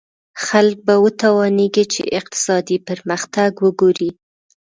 خلک به وتوانېږي چې اقتصادي پرمختګ وګوري.